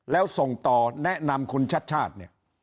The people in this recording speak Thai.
แล้วส่งต่อแนะนำคุณชัดชาติเนี่ย